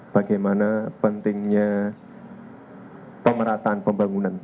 bagaimana pentingnya pemerataan pembangunan